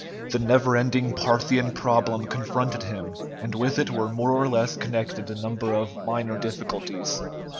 The never ending Parthian problem confronted him, and with it were more or less connected a number of minor difficulties.